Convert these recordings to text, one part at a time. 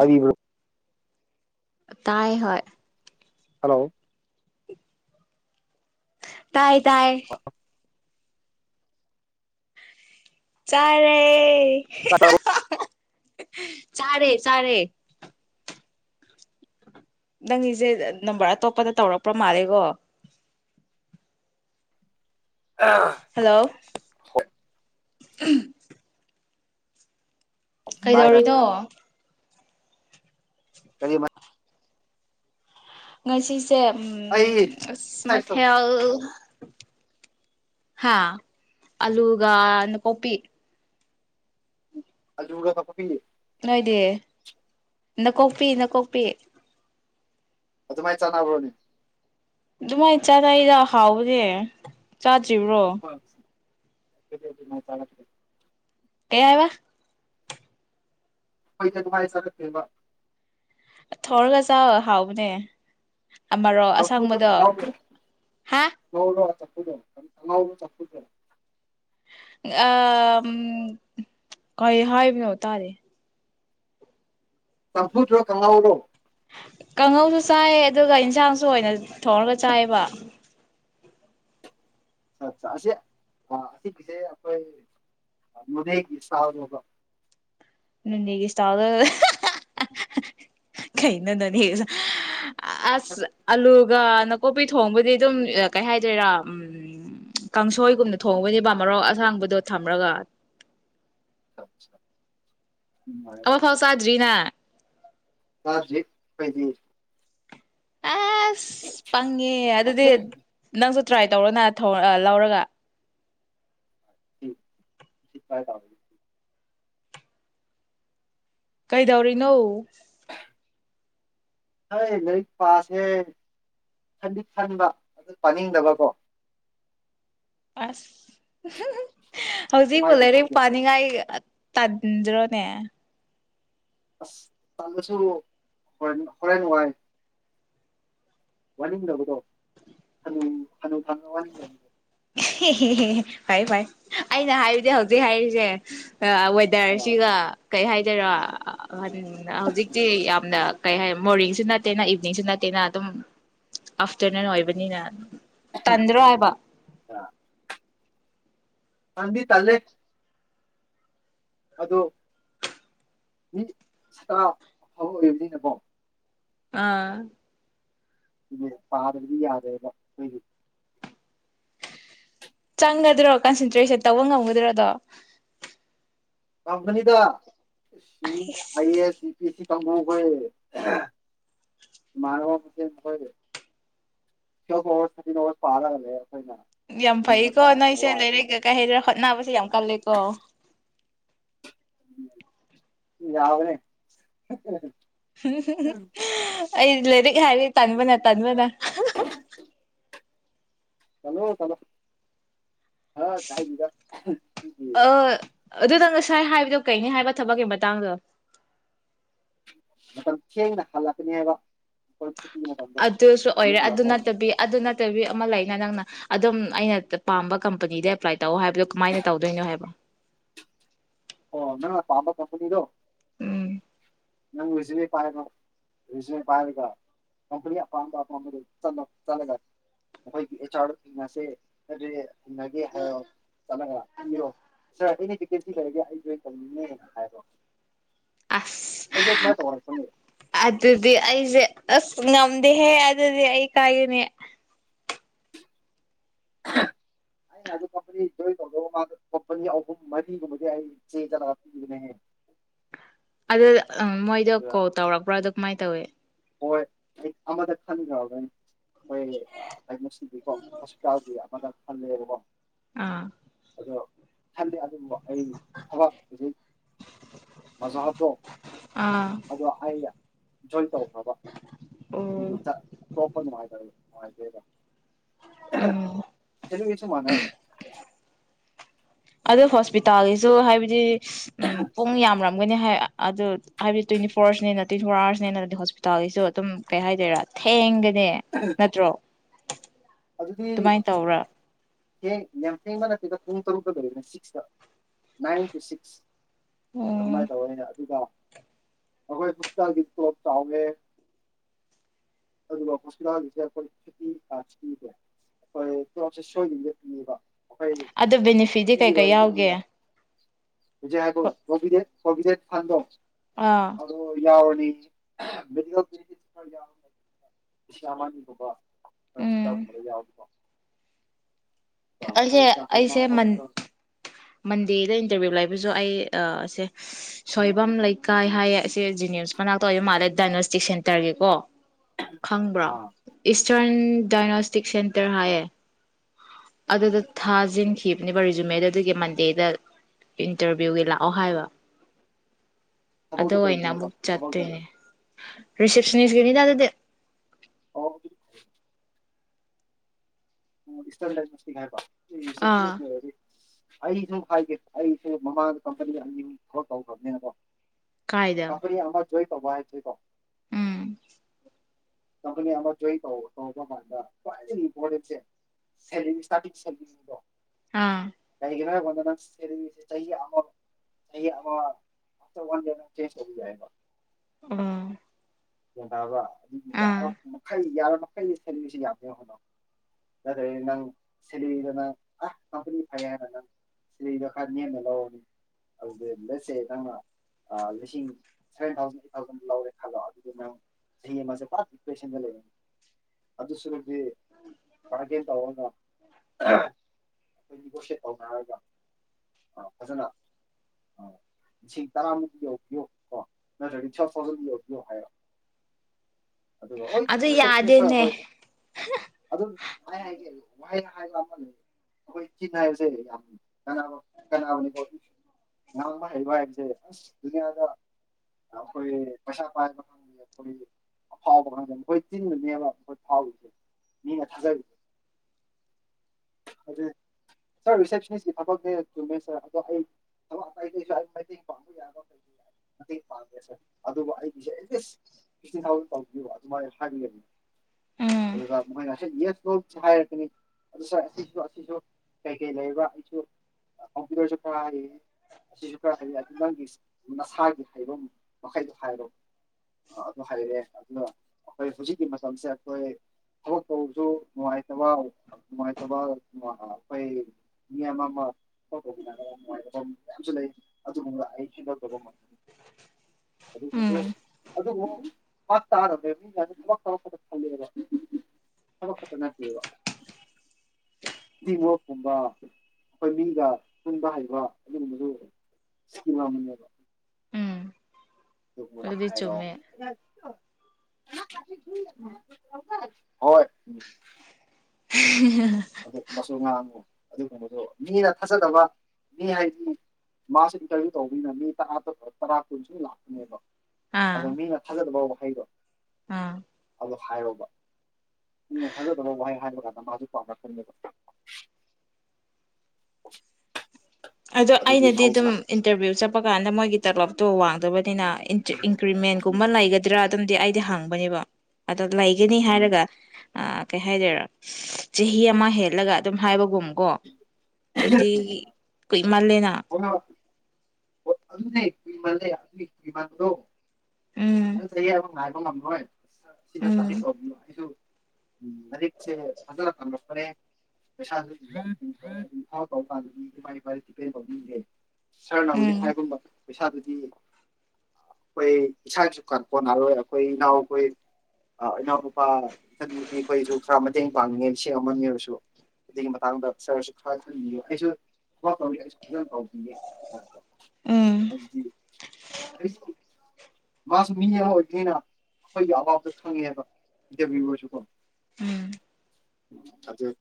ꯑꯔꯤꯕ ꯇꯥꯏ ꯍ ꯍꯜꯂꯣ ꯇꯥꯏ ꯇꯥꯏ ꯆꯔꯦ [inaudible] [inaudible] ꯆꯥꯔꯦ ꯆꯔꯦ ꯅꯪꯒꯤꯁꯦ ꯅꯝꯕꯔ ꯑꯇꯣꯞꯄꯗ ꯇꯧꯔꯛꯄ꯭ꯔ ꯃꯥꯜꯂꯦꯀꯣ ꯑ ꯍꯜꯂꯣ ꯍꯣꯏ [inaudible] ꯀꯩꯗꯧꯔꯤꯗꯣ ꯀꯔꯤꯕ ꯉꯁꯤ ꯎꯝ ꯑꯩ ꯎꯁ ꯃ ꯑꯦꯛꯁꯔꯁꯥꯏꯁ ꯇꯧ ꯊꯦꯜ ꯍꯥꯥ ꯑꯜꯂꯨꯒ ꯀꯣꯕꯤꯤ ꯑꯒ ꯊꯄ ꯐꯦ ꯅꯀꯣꯛꯄꯤ ꯅꯀꯣꯛꯄꯤ ꯑꯗꯨꯃꯥꯏꯅ ꯆꯥꯟꯅꯕ꯭ꯔꯣꯅꯦ ꯑꯗꯨꯃꯥꯏꯅ ꯆꯥꯗꯥꯏꯗ ꯍꯥꯎꯕꯅꯦꯦ ꯁꯤꯕ꯭ꯔꯣ ꯆ ꯀ ꯍꯥꯏꯕ ꯑꯩꯣꯏ ꯊꯐꯁꯥꯦꯕ ꯊꯣꯔꯒꯖꯥꯎ ꯍꯥꯎꯕꯅꯦ ꯔꯣ ꯆꯝꯐꯨꯠꯂꯣ ꯑꯁꯥꯡꯕꯗꯣ ꯀꯥꯡꯉꯧꯔꯣ ꯍꯥ ꯑꯉ ꯆꯗ ꯑ ꯀꯩ ꯍꯥꯏꯕꯅꯣ ꯇꯥꯔꯦ ꯁꯝꯐꯨ꯭ꯔꯣ ꯀꯃ ꯂꯣ ꯀꯥꯡꯍꯧꯁꯨ ꯆꯥꯏꯌꯦ ꯑꯗꯨꯒ ꯏꯟꯁꯥꯡꯁꯨ ꯑꯣꯏꯅ ꯊꯣꯡꯔꯒ ꯆꯥꯏꯌꯦꯕ ꯑꯁꯤꯦ ꯑꯁꯤ ꯀꯦ ꯑꯩꯣꯏ ꯃꯗ ꯁꯥꯗꯕ ꯅꯅꯤꯒ ꯏꯁꯥꯎꯗ ꯀꯩꯅ ꯅ ꯅꯅꯤ ꯑꯁ ꯑꯂꯒ ꯀꯣꯄꯤ ꯊꯣꯡꯕꯗꯤ ꯑꯗꯨꯝ ꯀꯩ ꯍꯥꯏꯗꯣꯏꯔꯥ ꯀꯥꯡꯁꯣꯏꯒꯨꯝꯅ ꯊꯣꯡꯕꯅꯦ ꯕ ꯃꯔꯣꯛ ꯑꯁꯥꯡꯕꯗꯣ ꯊꯝꯔꯒ ꯑ ꯑꯋꯥꯐꯥꯎ ꯆꯥꯗ꯭ꯔꯤꯅ ꯇꯥꯖ ꯄꯗꯤꯔ ꯑꯦꯁ ꯄꯉꯦ ꯑꯗꯨꯗꯤ ꯅꯪ ꯇ꯭ꯔꯥꯏ ꯇꯧꯔꯣꯅ ꯂꯧꯔꯒ ꯇꯥ ꯀꯩꯗꯧꯔꯤꯅꯣ [unintelligible] ꯍꯣꯏ ꯂꯥꯏꯔꯤꯛ ꯄꯥꯁꯦ ꯈꯗꯤ ꯈꯟꯕ ꯑꯗꯨ ꯄꯥꯅꯤꯡꯗꯕꯀꯣ ꯑꯁ ꯍꯧꯖꯤꯛꯕꯨ ꯀꯃꯥꯏꯅ ꯂꯩꯔꯤꯛ ꯇꯧꯁꯤꯒꯦ ꯄꯥꯅꯤꯡꯉꯥꯏ ꯇꯟꯗ꯭ꯔꯅꯦ ꯑꯁ ꯇꯜ ꯂꯁꯨ ꯍꯣꯔꯦꯟ ꯍꯣꯔꯦꯟ ꯋꯥꯏ ꯋꯥꯅꯤꯡꯗꯕꯗꯣ ꯍꯅꯨ ꯍꯅꯨ ꯊꯪ ꯋꯥꯅꯤꯡꯗꯕꯗꯣ ꯐꯩ ꯐꯩ ꯑꯩꯅ ꯍꯥꯏꯔꯤꯗꯤ ꯍꯧꯖꯤꯛ ꯍꯥꯏꯔꯤꯁꯦ ꯑꯋꯦꯗꯔꯁꯤꯒ ꯀꯩ ꯍꯥꯏꯗꯣꯏꯔꯥ ꯑꯍꯟ ꯍꯧꯖꯤꯛꯇꯤ ꯌꯥꯝꯅ ꯀꯩ ꯍꯥꯏ ꯃꯣꯔꯅꯤꯡꯁꯨ ꯅꯠꯇꯦꯅ ꯏꯚꯤꯅꯤꯡꯁꯨ ꯅꯠꯇꯦꯅ ꯑꯗꯨꯝ ꯑꯥꯐꯇꯔꯅꯨꯟ ꯑꯣꯏꯕꯅꯤꯅ ꯇꯟꯗ꯭ꯔꯣ ꯍꯥꯏꯕ ꯀꯗꯤ ꯇꯂꯦ ꯑꯗꯣ ꯃꯤꯔ ꯐꯥꯎꯔꯛꯏꯕꯅꯤꯅꯦꯕꯣ ꯑꯥ ꯏꯅꯦ ꯄꯥꯗꯕꯗꯤ ꯌꯥꯗꯦꯕꯣꯏ ꯆꯪꯒꯗ꯭ꯔꯣ ꯀꯟꯁꯦꯟꯇ꯭ꯔꯦꯁꯟ ꯇꯧꯕ ꯉꯝꯒꯗ꯭ꯔꯣꯗꯣ ꯀꯝꯄꯅꯤꯗ [unintelligible] [unintelligible] ꯌꯥꯝ ꯐꯩꯀꯣ ꯅꯣꯏꯁꯦ ꯂꯩꯔꯛ ꯀꯩꯀꯩ ꯍꯩꯔ ꯍꯣꯠꯅꯕꯁꯦ ꯌꯥꯝ ꯀꯜꯂꯦꯀꯣ ꯌꯥꯕꯅꯦ [inaudible] ꯑꯩ ꯂꯥꯏꯔꯤꯛ ꯍꯥꯏꯔꯤ ꯇꯟꯥꯟꯕꯅ ꯇꯟꯥꯟꯕꯅ ꯍꯂꯣ ꯆꯂꯣ ꯍ [unintelligible] ꯑꯗꯨꯗꯪ ꯉꯁꯥꯏ ꯍꯥꯏꯕꯗꯣ ꯀꯩꯅꯤ ꯍꯥꯏꯕ ꯊꯕꯛꯀꯤ ꯃꯇꯥꯡꯗꯣ ꯃꯇꯝꯊꯦꯡꯅ ꯍꯜꯂꯛꯀꯅꯤ ꯍꯥꯏꯕ ꯃꯇꯝꯗꯣ ꯑꯗꯨꯁꯨ ꯌꯨꯝ ꯑꯣꯏꯔꯦ ꯑꯗꯨ ꯍꯜꯂꯛꯄ ꯃꯇꯝꯗꯣ ꯅꯠꯇꯕꯤ ꯑꯗꯨ ꯅꯠꯇꯕꯤ ꯑꯃ ꯂꯩꯅ ꯅꯪꯅ ꯑꯗꯨꯝ ꯑꯩꯅ ꯄꯥꯝꯕ ꯀꯝꯄꯅꯤꯗ ꯑꯦꯄ꯭ꯂꯥꯏ ꯇꯧ ꯍꯥꯏꯕꯗꯣ ꯀꯃꯥꯏꯅ ꯇꯧꯗꯣꯏꯅꯣ ꯍꯥꯏꯕ ꯑꯣ ꯃ ꯐꯥꯝꯕ ꯀꯝꯄꯅꯤꯗꯣ ꯎꯝ [inaudible] ꯅꯪ ꯔꯤꯖꯅꯦꯦꯜ ꯄꯥꯏꯔ ꯔꯤꯖꯅꯦ ꯄꯥꯏꯔꯒ ꯀꯝꯄꯅꯤ ꯑꯄꯥꯝꯕ ꯑꯄꯥꯝꯕꯗꯨ ꯆꯠꯂꯒ ꯑꯩꯈꯣꯏꯒꯤ ꯑꯦꯆ ꯑꯥꯔ ꯑꯁꯦ ꯍꯥꯏꯗꯤ ꯊꯟꯅꯒꯦ ꯍꯥꯏꯔꯣ ꯆꯂ ꯏꯔꯣꯅꯤ ꯁꯤ ꯄ ꯍꯥꯏꯒ ꯍꯥꯏꯕ ꯑꯁ ꯑꯗꯨ ꯑꯗꯨꯗꯤ ꯑꯩꯁꯦ ꯑꯁ ꯉꯝꯗꯦꯍꯦ ꯑꯗꯨꯗꯤ ꯑꯩ ꯀꯥꯏꯒꯅꯦ ꯑꯩꯅ ꯑꯗꯨ ꯀꯝꯄꯅꯤ ꯖꯣꯏꯟ ꯇꯧꯖꯧꯕ ꯃꯥ ꯀꯝꯄꯅꯤ ꯑꯍꯨꯝ ꯃꯔꯤꯒꯨꯝꯕꯗꯤ ꯑꯩ ꯆꯦꯟꯖꯔꯒ ꯄꯤꯕꯅꯦ ꯑꯗꯨ ꯑ ꯃꯣꯏꯗꯣ ꯀꯣꯜ ꯇꯧꯔꯛꯄ꯭ꯔꯥ ꯑꯗꯨ ꯀꯃꯥꯏꯅ ꯇꯧꯏꯤ ꯑꯣ ꯑꯃꯗ ꯈꯟꯒꯎꯒꯅꯤ ꯑꯩꯈꯣꯏ ꯉꯥꯁꯤꯗꯤꯀꯣ ꯍꯣꯁꯄꯤꯇꯥꯜꯒꯤ ꯑꯃꯗ ꯑꯟꯅꯔꯃ ꯑꯥ ꯊꯗ ꯑꯗꯨꯨꯝꯕ ꯑꯩꯒꯤ ꯊꯕꯛ ꯍꯧꯖꯤꯛ ꯃꯖꯥꯇꯣ ꯑꯥ ꯑꯗꯣ ꯑꯩꯅ ꯏꯟꯖꯣꯏ ꯇꯧꯕ ꯑꯣ ꯑꯗꯗ ꯎꯝ ꯁꯤꯁꯨ ꯀꯁꯨ ꯃꯅꯦ [inaudible] ꯑꯗꯨ ꯍꯣꯁꯄꯤꯇꯥꯜꯒꯤꯁꯨ ꯍꯥꯏꯕꯗꯤ ꯎꯝ ꯄꯨꯡ ꯌꯥꯝꯉꯤ ꯃꯣꯏꯅ ꯍꯥꯏ ꯑꯗꯨꯠ ꯍꯥꯏꯕꯗꯤ ꯇꯦꯟꯠꯌ ꯐꯣꯔ ꯅꯤꯅꯥ ꯇꯤꯟꯇꯤ ꯐꯣꯔ ꯑꯋꯥꯔꯁ ꯅꯤꯅꯥ ꯍꯣꯁꯄꯤꯇꯥꯜꯒꯤꯁꯨ ꯑꯗꯨꯝ ꯀꯩ ꯍꯥꯏꯗꯣꯏꯔ ꯊꯦꯡꯒ ꯅꯦ ꯅꯠꯇ꯭ꯔꯣ ꯑꯗꯨꯗꯤ ꯑꯗꯨꯃꯥꯏꯅ ꯇꯧꯔꯥ ꯊꯦꯡ ꯌꯥꯝ ꯊꯦꯡꯕ ꯅꯇꯦꯗ ꯄꯨꯡ ꯇꯔꯨꯛꯀ ꯂꯩꯔꯦꯅ ꯁꯤꯛꯁ ꯇꯥ ꯅꯥꯏꯟ ꯇꯨ ꯁꯤꯛꯁ ꯎꯝ ꯑꯗꯨꯃꯥꯏꯅ ꯇꯥꯑꯣꯏꯅꯥ ꯑꯗꯨꯒ ꯑꯩꯈꯣꯏ ꯍꯨꯁꯀꯒꯤ ꯇꯣꯞ ꯇꯥꯍꯧꯔꯦ ꯑꯗꯨꯒ ꯐꯨꯁꯅꯥꯒꯤꯁꯦ ꯑꯩꯈꯣꯏ ꯐꯥꯞꯇꯤ ꯄꯔꯦ [unintelligible] ꯁꯣꯏꯅꯦ ꯅꯦꯕꯥ ꯑꯗꯤ ꯕꯅꯥꯐꯤꯗꯤ ꯀꯩꯀꯩ ꯌꯥꯎꯒꯦ [unintelligible] ꯐꯣꯔꯕꯤꯖꯠ ꯐꯥꯟꯗꯣ ꯑꯥ ꯑꯗꯣ ꯌꯥꯎ ꯅꯤ ꯕꯤꯗꯤꯑꯣ ꯀꯦꯗꯔ꯭ꯦꯠ ꯈꯔꯥ ꯌꯥꯑꯣꯅꯩ ꯕ ꯁꯥꯝꯝꯥꯅꯤꯒꯨꯝꯕ ꯑꯣꯏ ꯌꯥꯑꯣꯏ ꯑꯩꯁꯦ ꯑꯩꯁꯦ ꯀꯦ [unintelligible] ꯃꯟꯗꯦꯗ ꯏꯟꯇꯔꯚꯤꯌꯨ ꯂꯩꯕꯁꯨ ꯑꯩ ꯑꯥ ꯁꯦ ꯁꯣꯏꯕꯝ ꯂꯩꯀꯥꯏ ꯍꯥꯏꯌꯦꯁꯦ ꯖꯤꯅꯦꯁ ꯃꯅꯥꯛꯇ ꯂꯩꯕ ꯃꯥꯜꯂꯦ ꯗꯥꯏꯅꯧꯁꯇꯤ ꯁꯦꯟꯇꯔꯒꯤꯀꯣ ꯈꯪꯕ꯭ꯔꯣ ꯑꯥ ꯏꯁꯇꯔꯟ ꯗꯥꯏꯅꯣꯁꯇꯤꯛ ꯁꯦꯟꯇꯔ ꯍꯥꯏꯌꯦ ꯑꯗꯨꯗꯥ ꯊꯥꯖꯦꯟ ꯈꯞ ꯅꯦꯕꯔ ꯔꯦꯖꯨꯃꯦꯗꯨ ꯑꯗꯨꯒꯤ ꯃꯟꯗꯦꯗ ꯏꯟꯇꯔꯚꯤꯌꯨꯒꯤ ꯂꯥꯛꯑꯣ ꯍꯥꯏꯕ ꯑꯗꯨ ꯊꯕꯛꯇꯣ ꯑꯣꯏꯅ ꯀꯩꯅꯣꯕ ꯑꯃꯨꯛ ꯊꯕꯛꯇ ꯆꯠꯇꯣꯏꯅꯦ ꯂꯩ ꯁꯔꯤ ꯁꯔꯤꯗ ꯑꯗꯨꯗꯤ ꯑꯣ [unintelligible] ꯑꯥ [unintelligible] ꯑꯩꯁꯨ ꯍꯥꯏꯒꯦ ꯑꯩꯁꯦ ꯃꯃꯥꯡꯗ ꯀꯝꯄꯅꯤ ꯑꯅꯤ ꯊꯕꯛ ꯇꯧꯈ꯭ꯔꯕꯅꯤꯅꯥ ꯀꯦ ꯀꯥꯏꯗ ꯀꯝꯄꯥꯅꯤ ꯑꯃꯠ ꯊꯣꯌ ꯇꯧꯕꯥ ꯍꯥꯏꯗꯤꯀꯣ ꯎꯝ ꯀꯝꯞꯅꯤ ꯑꯃꯥ ꯇꯧꯕꯥ ꯇꯧꯕꯥꯃꯥꯟꯗ ꯈꯣꯌꯗꯒꯤ ꯄꯣꯔꯦꯟꯁꯦ ꯁꯧꯔꯤꯟ ꯁꯇꯔꯇꯤꯛ [unintelligible] ꯀꯦ ꯑꯥ [unintelligible] ꯑꯥ ꯒꯦꯟ ꯇꯥꯕꯥ ꯃꯤ ꯌꯥꯝ ꯃꯈꯜ ꯌꯥꯝ ꯃ ꯀꯩ ꯏꯁꯜꯁꯤ ꯌꯥꯗ ꯍꯅꯣ ꯅꯠꯇ꯭ꯔꯗꯤ ꯅꯪꯦꯂꯔꯤꯗ ꯅꯪ ꯑ ꯀꯝꯄꯅꯤ ꯐꯩꯦ ꯍꯥꯏꯅ ꯅꯪꯦꯂꯔꯤꯗ ꯈꯔ ꯅꯦꯝꯅ ꯂꯧꯔꯅꯤ ꯑꯗꯨꯦꯠꯁꯦ ꯅꯪꯅ ꯂꯤꯁꯤꯡ ꯁꯚꯦꯟ ꯊꯥꯎꯖꯟ ꯑꯩꯠ ꯊꯥꯎꯖꯟ ꯂꯧꯔꯦ ꯈꯜꯂꯣ ꯑꯗꯨꯗ ꯅꯪ ꯆꯍꯤ ꯑꯃꯦ ꯄꯨꯞ ꯏꯦꯁꯟꯗ ꯂꯩꯔꯅꯤ ꯑꯗꯨꯁꯨ ꯕꯥꯔꯒꯦꯟ ꯇꯧꯔꯒ ꯑꯩꯈꯣꯏ ꯅꯦꯒꯣꯁꯤꯌꯦꯠ ꯇꯧꯅꯔꯒ ꯑ ꯐꯖꯅ ꯂꯤꯁꯤꯡ ꯇꯔꯥꯃꯨꯛꯛꯇ ꯌꯧꯕꯤꯌꯨ ꯀꯣ ꯅꯠꯇ꯭ꯔꯗꯤ ꯊꯔꯚ ꯊꯥꯎꯖꯟ ꯌꯧꯕꯤꯌꯣ ꯍꯥꯏꯔꯣ ꯑꯗꯨꯒ ꯍꯣꯏ ꯑꯗꯨ ꯃꯦꯁꯦꯁꯤꯅꯤ ꯁꯥꯔ ꯌꯥꯗꯦꯅꯦ ꯍꯣꯏ ꯑꯗꯨ ꯃꯥ ꯍꯥꯏꯦ ꯋꯥ ꯍꯥꯏꯕ ꯑꯃ ꯂꯩ ꯑꯩꯈꯣꯏ ꯆꯤꯟꯤꯟ ꯍꯥꯏꯕꯁꯦ ꯌꯥꯝ ꯀꯅ ꯀꯅ ꯑꯃꯅꯤꯅꯤꯣ ꯉꯥꯡꯕ ꯍꯩꯕ ꯍꯥꯏꯕꯁꯦ ꯑꯁ ꯗꯨꯅꯤꯌꯥꯗ ꯑꯩꯈꯣꯏ ꯄꯩꯁꯥ ꯄꯥꯏꯕ ꯈꯪꯗꯦ ꯑꯩꯈꯣꯏ ꯑꯐꯥꯎꯕ ꯈꯪꯗꯦ ꯃꯈꯣꯏ ꯇꯤꯟꯕꯅꯦꯕ ꯃꯈꯣꯏ ꯐꯥꯎꯔꯤꯁꯦ ꯃꯤꯅ ꯊꯥꯖꯔꯤꯦ ꯑꯗꯨ ꯁꯥꯔ ꯔꯤꯁꯦꯞꯁꯅꯤꯁꯀꯤ ꯊꯕꯛꯁꯦ ꯆꯨꯝꯃꯦ ꯁꯥꯔ ꯑꯗꯣ ꯑꯩ ꯊꯕꯛ ꯑꯥꯏꯗꯩꯁꯨ ꯑꯩ ꯃꯇꯦꯡ ꯄꯥꯡꯕ ꯌꯥꯕ ꯀꯩ ꯃꯇꯦꯡ ꯄꯥꯡꯒꯦ ꯁꯥꯔ ꯑꯗꯨꯕꯨ ꯑꯩꯒꯤꯁꯦ ꯑꯦꯠꯂꯤꯁ ꯐꯤꯇꯤꯟ ꯊꯥꯎꯖꯟ ꯇꯧꯕꯤꯌꯕ ꯑꯗꯨꯃꯥꯏꯅ ꯍꯥꯏꯕꯤꯌꯅꯤ ꯎꯝ ꯑꯗꯣ ꯃꯈꯣꯏꯅꯁ ꯌꯦꯁ ꯂꯣꯁꯦ ꯍꯥꯏꯔꯛꯀꯅꯤ ꯑꯗꯨꯗ ꯁꯥꯔ ꯑꯁꯤꯁꯨ ꯑꯁꯤꯁꯨ ꯀꯩ ꯀꯩ ꯂꯩꯕ꯭ꯔꯥ ꯑꯩꯁꯨ ꯀꯝꯄ꯭ꯌꯨꯇꯔꯁꯨ ꯈꯔ ꯍꯩ ꯑꯁꯤꯁꯨ ꯈꯔ ꯍꯩꯌꯦ ꯑꯗꯨ ꯅꯪꯒꯤ ꯅꯁꯥꯒꯤ ꯍꯩꯕ ꯃꯈꯩꯗꯣ ꯍꯥꯏꯔꯣ ꯑꯗꯨ ꯍꯩꯔꯦ ꯑꯗꯨꯅ ꯑꯩꯈꯣꯏ ꯍꯧꯖꯤꯛꯀꯤ ꯃꯇꯝꯁꯦ ꯑꯩꯈꯣꯏ ꯊꯕꯛ ꯇꯧꯕꯁꯨ ꯅꯨꯡꯉꯥꯏꯇꯕ ꯅꯨꯡꯉꯥꯏꯇꯕ ꯑꯩꯈꯣꯏ ꯃꯤ ꯑꯃ ꯑꯃ ꯊꯕꯛ ꯇꯧꯕꯤ ꯅꯨꯡꯉꯥꯏꯇꯕ ꯃꯌꯥꯝꯁꯨ ꯂꯩ ꯑꯗꯨ ꯑꯩ ꯈꯦꯟꯗꯣꯛ ꯇꯕ ꯉꯝꯒꯅꯤ ꯑꯗꯨ ꯃꯗꯨ ꯎꯝ ꯑꯗꯨꯕꯨ ꯄ ꯇꯥꯔꯝꯃꯦꯕ ꯃꯤ ꯃꯅ ꯊꯕꯛ ꯊꯧꯔꯄꯗ ꯈꯂꯦꯕ ꯊꯕꯛ ꯈꯛꯇ ꯅꯠꯇꯦꯕ ꯏꯤ ꯃꯞꯀꯨꯝꯕ ꯑꯩꯈꯣꯏ ꯃꯤꯒ ꯄꯨꯟꯕ ꯍꯩꯕ ꯑꯗꯨꯒꯨꯝꯕꯗꯨꯀꯤꯝ ꯑꯃꯅꯦꯕ ꯎꯝ ꯅ ꯑꯗꯨꯗꯤ ꯍꯥꯏꯔꯣ ꯆꯨꯝꯃꯦ ꯍꯣꯏ ꯎ ꯎꯝ ꯑꯁꯨ ꯉ ꯑꯗꯨꯒ ꯀꯩꯅꯣꯗꯣ ꯃꯤꯅ ꯊꯥꯖꯗꯕ ꯃꯤ ꯍꯥꯏꯗꯤ ꯃꯥꯁꯨ ꯏꯟꯇꯔꯚꯤꯌꯨ ꯇꯧꯕꯅꯤꯅ ꯃꯤ ꯇꯔꯥ ꯇꯔꯥ ꯀꯨꯟꯁꯨ ꯂꯥꯛꯄꯅꯦꯕ ꯑꯥ ꯑꯗꯣ ꯃꯤꯅ ꯊꯥꯒꯠꯂꯕꯥꯎꯕ ꯍꯥꯏꯕꯣ ꯑꯥ ꯣ ꯍꯥꯏꯔꯣꯕ ꯎꯝ ꯊꯥꯖꯗꯕ ꯋꯥꯍꯩ ꯍꯥꯏꯕ ꯀꯥꯟꯗ [unintelligible] ꯄꯔ ꯑꯗꯣ ꯑꯩꯅꯗꯤ ꯑꯗꯨꯝ ꯏꯟꯇꯔꯚꯤꯌꯨ ꯆꯠꯄ ꯀꯥꯟꯗ ꯃꯣꯏꯒꯤ ꯇꯂꯞꯇꯣ ꯋꯥꯡꯗꯕꯅꯤꯅ ꯏꯟꯀ꯭ꯔꯤꯃꯦꯟꯒꯨꯝꯕ ꯂꯩꯒꯗ꯭ꯔꯥ ꯑꯗꯨꯝꯗꯤ ꯑꯩ ꯗꯤ ꯍꯥꯡꯕꯅꯦꯕ ꯑꯗꯣ ꯂꯩꯒꯅꯤ ꯎꯝ ꯍꯥꯏꯔꯒ ꯑ ꯀꯩ ꯍꯥꯏꯗꯣꯏꯔꯥ ꯆꯍꯤ ꯑꯃ ꯍꯦꯠꯂꯒ ꯑꯗꯨꯝ ꯍꯥꯏꯕꯒꯨꯝ ꯀꯣ ꯑꯗꯨꯗꯤ ꯀ ꯏꯃꯜꯂꯦꯅ ꯑꯅꯤ ꯀꯔꯤꯃꯅꯦ ꯑꯅꯤ ꯀꯤꯃ ꯂꯣ ꯎꯝ ꯁꯕ ꯃꯥ ꯍ ꯂꯥꯡ꯭ꯔꯏ ꯁꯤꯗ ꯁ ꯎꯝ ꯄꯣꯂꯦꯝꯁꯨ ꯎꯝ ꯍꯧꯖꯤꯛꯁꯦ ꯐꯖꯅ ꯇꯝꯂꯛꯄꯔꯦ ꯄꯩꯁꯥꯐꯥꯎ ꯇꯧ ꯀꯥꯟꯗꯤ ꯏ ꯏꯄ ꯇꯧꯗꯦ ꯁꯥꯔꯅ ꯍꯧꯖꯤꯛ ꯎꯝ ꯍꯥꯏꯒꯨꯝꯕ ꯄꯩꯁꯥꯗꯨꯗꯤ ꯑꯩꯈꯣꯏ ꯏꯁꯥꯒꯤꯁꯨ ꯀꯥꯟꯛꯄ ꯅꯥꯔꯣꯏ ꯑꯩꯈꯣꯏ ꯏꯅꯥꯎꯈꯣꯏ ꯏꯅꯥꯎꯅꯄꯥ ꯏꯆꯟ ꯅꯨꯨꯄꯤ ꯑꯩꯈꯣꯏꯁꯨ ꯈꯔ ꯃꯇꯦꯡ ꯄꯥꯡꯉꯉꯦ ꯏꯁꯤꯡ ꯑꯃꯔꯁꯨ ꯑꯗꯨꯒꯤ ꯃꯇꯥꯡꯗ ꯁꯔꯁꯨ ꯈꯔ ꯈꯟꯕꯤꯌꯨ ꯑꯩꯁꯨ ꯇ ꯐꯖꯅꯥ ꯇꯧꯕꯤꯌꯦ ꯎꯝ ꯑꯗꯨꯗ ꯃꯥꯁꯨ ꯃꯤ ꯑꯃ ꯑꯣꯏꯕꯅꯤꯅ ꯑꯩꯈꯣꯏꯒꯤ ꯑꯋꯥꯕꯗꯣ ꯈꯪꯉꯦꯕ ꯏꯟꯇꯔꯚꯤꯌꯨ ꯁꯨꯀꯣ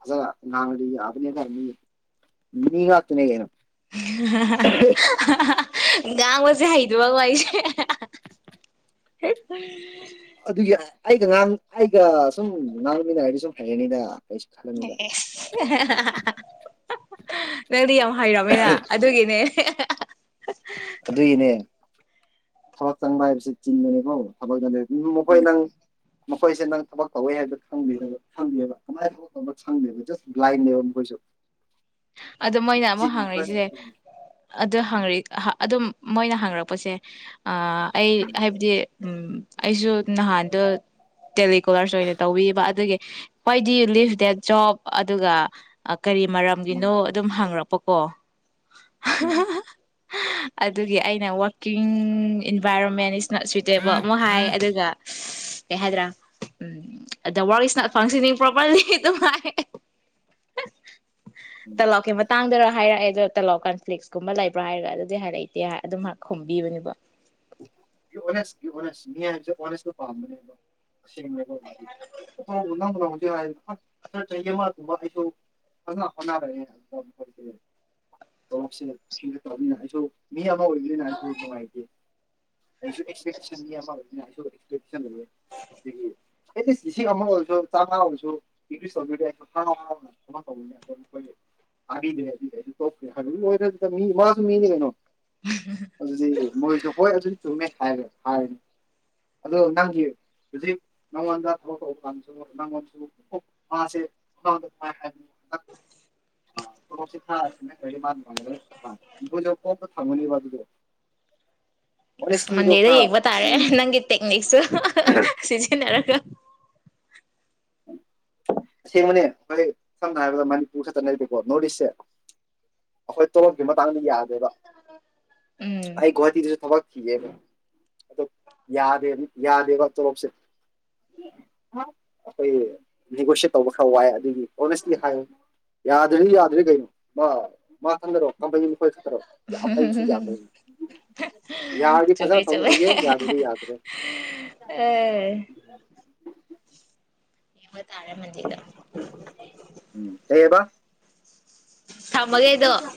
ꯐꯖꯅꯥ ꯉꯥꯡ ꯉꯥ ꯗꯤ ꯌꯥꯕꯅꯦ ꯗꯥ ꯃꯤ ꯉꯛ ꯇꯥꯅꯦ ꯀꯔꯤꯅꯣ [unintelligible] ꯉꯥꯡꯕꯁꯦ ꯍꯩꯇꯕꯥ ꯀꯣ ꯑꯩꯁꯦ ꯍ ꯑꯗꯨꯒꯤ ꯑꯩꯒ ꯉꯍꯥꯟ ꯑꯩꯒ ꯁꯨꯝ ꯉꯥꯟꯃꯤꯅ ꯍꯥꯏꯔꯗꯤ ꯁꯨꯝ ꯍꯩꯒꯅꯤꯗ ꯑꯦ ꯅꯪ ꯗꯤ ꯌꯥꯝ ꯍꯩꯔꯝꯃꯦ ꯅ ꯑꯗꯨꯒꯤꯅꯦ [inaudible] ꯎꯝ ꯃꯈꯈꯣꯏ ꯅꯪ ꯃꯈꯣꯏꯁꯦ ꯅꯪ ꯊꯕꯛ ꯇꯧꯋꯦ ꯍꯥꯏꯕꯗ ꯈꯗ ꯈꯪꯗꯦꯕ ꯀꯃꯥꯏꯅ ꯊꯕꯛ ꯇꯧꯅ ꯈꯪꯗꯦꯕ ꯖꯁ ꯕ꯭ꯂꯥꯏꯟꯅꯦꯕ ꯃꯈꯣꯏꯁꯨ ꯑꯗꯣ ꯃꯣꯏꯅ ꯑꯃꯨꯛ ꯍꯪꯔꯤꯁꯤꯁꯦ ꯑꯗꯨ ꯍꯪ ꯑꯗꯨꯝ ꯃꯣꯏꯅ ꯍꯥꯡꯔꯛꯄꯁꯦ ꯑꯩ ꯍꯥꯏꯕꯗꯤ ꯎꯝ ꯑꯩꯁꯨ ꯅꯍꯥꯟꯗꯣ ꯇꯦꯂꯤꯀꯣꯂꯔꯁ ꯑꯣꯏꯅ ꯇꯧꯕꯤꯕ ꯑꯗꯨꯒꯤ why did you leave that job ꯑꯗꯨꯒ ꯀꯔꯤ ꯅꯣ ꯑꯗꯨꯝ ꯍꯥꯡꯉꯛꯄ ꯑꯣ ꯎꯝ ꯑꯗꯨꯒꯤ ꯑꯩꯅ ꯋꯥꯔꯀꯤꯡ ꯏꯟꯚꯥꯏꯔꯣꯟꯃꯦꯟ ꯅꯣꯠ ꯁꯨꯏꯇꯦꯕ ꯑꯃꯨꯛ ꯍꯥꯏ ꯑꯗꯨꯒ ꯀꯩ ꯍꯥꯏꯗ꯭ꯔꯥ ꯎꯝ ꯑꯗ work is not functioning properly ꯑꯗꯨ ꯍꯥꯏ ꯇꯂꯣꯞꯀꯤ ꯃꯇꯥꯡꯗꯔ ꯍꯥꯏꯔꯛꯑꯦ ꯑꯗꯣ ꯇꯂꯥꯎ ꯀꯟꯐ꯭ꯂꯤꯛꯁꯀꯨꯝꯕ ꯂꯩꯕ꯭ꯔꯥ ꯍꯥꯏꯔꯒ ꯑꯗꯨꯗꯤ ꯍꯥꯏꯔꯛꯏꯇꯦ ꯑꯗꯨꯝꯥꯏꯍ ꯈꯣꯝꯕꯤꯕꯅꯦꯕ ꯍꯥꯏꯕꯁꯦꯁꯇ ꯄꯥꯝꯕꯅꯦꯕ ꯑꯁꯦꯡꯕ ꯅꯧ ꯅ ꯍꯧꯁꯛ ꯍꯥꯏꯔ ꯆꯍꯤ ꯑꯃꯒꯨꯝꯕ ꯑꯩꯁꯨ ꯐꯖꯅ ꯍꯣꯠꯅꯔꯛꯑꯦ ꯑꯗꯨꯒ ꯃꯈꯣꯏꯁꯦꯁꯦ ꯍꯤꯡꯒꯠꯇꯕꯅꯤꯅ ꯑꯩꯁꯨ ꯍ ꯏꯕ ꯅ ꯍꯥꯏꯥꯏꯦ ꯁꯄꯁꯟ ꯑꯗꯒꯤ ꯑꯦꯠꯁ ꯂꯤꯁꯤꯡ ꯑꯃ ꯑꯣꯏꯔꯁꯨ ꯆꯥꯝꯃꯉꯥ ꯑꯣꯏꯔꯁꯨ ꯏꯁ ꯇꯧꯕꯤꯔ ꯑꯩꯁꯨ ꯍꯔꯥꯎꯔꯥꯎ ꯇꯧꯕꯅꯦ ꯑꯣ ꯑꯩꯈꯣꯏ ꯇꯥꯕꯤꯗ꯭ꯔꯦ ꯑꯗꯨꯗꯤ ꯑꯩꯁꯨ ꯇꯣꯛꯇ꯭ꯔꯦ ꯍꯥꯏꯕ ꯂꯣꯏ꯭ꯔ ꯑꯗꯨꯗ ꯃꯤ ꯃꯥꯁꯨ ꯃꯤꯅꯤ ꯀꯩꯅꯣ ꯑꯗꯨꯗꯤ ꯃ ꯆ ꯍꯣꯏ ꯑꯗꯨ ꯆꯨꯝꯃꯦ ꯍꯥꯏꯔꯦ ꯍꯥꯏꯔꯅꯤ ꯑꯗꯣ ꯅꯪꯒꯤ ꯍꯧꯖꯤꯛ ꯅꯪꯉꯣꯟꯗ ꯊꯕꯛ ꯇꯧꯕ ꯀꯥꯟꯗꯁꯨ ꯅꯪꯉꯣꯟꯁꯨ ꯃꯥꯁꯦ ꯍꯥꯏ ꯍ ꯄ꯭ꯔꯣꯁꯤ ꯊꯥ ꯃꯥꯔ ꯋꯥꯔ ꯕꯨꯂ ꯀꯣꯛꯄ ꯊꯃꯅꯤ ꯋꯥ ꯑꯗꯨꯗꯣ ꯑ ꯑꯣꯅꯦꯁꯇꯤꯗꯣ ꯃꯟꯗꯦꯗ ꯈꯔ ꯌꯦꯡꯕ ꯇꯥꯔꯦ ꯁꯤꯖꯤꯟꯅꯧ ꯅꯪꯒꯤ ꯇꯦꯛꯅꯤꯛꯁꯨ ꯁꯤꯁꯤꯟꯅꯔꯒ ꯑꯁꯦꯡꯕꯅꯦ ꯑꯩꯈꯣꯏ ꯁꯝꯅ ꯍꯥꯏꯔꯕꯗ ꯃꯅꯤꯄꯨꯔ ꯈꯛꯇꯅꯦꯕꯀꯣ ꯅꯣꯔꯠ ꯏꯁꯁꯦ ꯑꯩꯈꯣꯏ ꯇꯣꯂꯞꯀꯤ ꯃꯇꯥꯡꯅꯤ ꯌꯥꯗꯦꯕ ꯎꯝ ꯑꯩ ꯒꯣꯍꯇꯤꯗꯨꯁꯨ ꯊꯕꯛ ꯊꯤꯌꯦꯕ ꯑꯣ ꯌꯥꯗ ꯌꯥꯗꯦꯕ ꯇꯣꯂꯣꯞꯁꯦ ꯑꯩꯈꯣꯏꯦꯒꯣꯁꯤ ꯇꯧꯕ ꯈꯔ ꯋꯥꯏꯦ ꯑꯗꯨꯒꯤ ꯑꯣꯅꯦꯁꯂꯤ ꯍꯥꯏ ꯌꯥꯗ꯭ꯔꯗꯤ ꯌꯥꯗ꯭ꯔꯔꯤ ꯀꯩꯅꯣ ꯃꯥ ꯃꯥ ꯈꯪꯗꯔꯣ ꯀꯄꯣꯏ ꯌꯥꯔꯗꯤ ꯆꯨꯞꯃꯦ ꯐꯖꯅ ꯆꯃꯦꯩ ꯇꯧꯕꯤꯒꯦ ꯌꯥꯗ꯭ꯔꯗꯤ ꯌꯥꯗ꯭ꯔꯦ ꯑ [unintelligible] ꯇꯥꯔꯃꯟꯗꯗ ꯀꯩꯑꯕ ꯊꯃꯒꯗꯨꯣ [unintelligible]